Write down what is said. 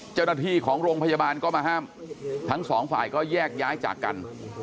เจ้าหน้าที่ของโรงพยาบาลก็มาห้ามทั้งสองฝ่ายก็แยกย้ายจากกัน